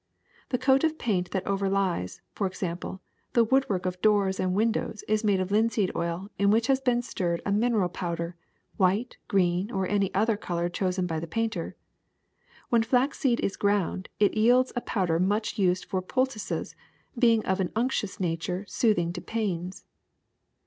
The coat of paint that overlies, for example, the woodwork of doors and windows is made of linseed oil in which has been stirred a mineral powder, white, green, or any other color chosen by the painter. When flaxseed is ground it yields a powder much used for poultices, being of an unctuous nature soothing to pains.